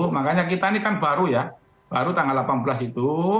makanya kita ini kan baru ya baru tanggal delapan belas itu